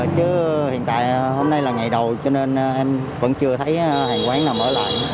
chứ hiện tại hôm nay là ngày đầu cho nên em vẫn chưa thấy hàng quán nào mở lại